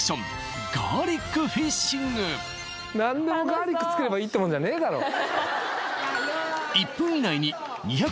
何でもガーリックつければいいってもんじゃねえだろう